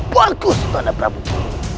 bagus nanda prabuku